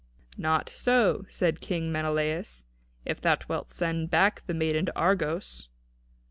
"Not so," said King Menelaus, "if thou wilt send back the maiden to Argos."